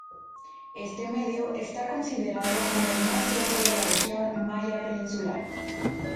Este medio está considerado como el más seco de la región maya peninsular.